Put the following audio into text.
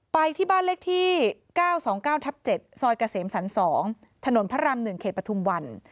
ไปที่บ้านเลขที่๙๒๙ทับ๗ซอยเกษมสรร๒ถนนพระราม๑เขตปฐุมวัน